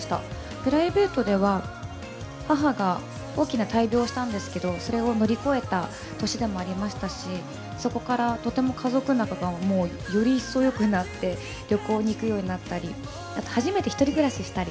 プライベートでは、母が大きな大病をしたんですけど、それを乗り越えた年でもありましたし、そこからとても家族仲が、もうより一層よくなって、旅行に行くようになったり、あと初めて１人暮らししたり。